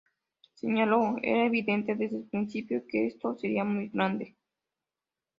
Señaló: "Era evidente desde el principio que esto sería muy grande.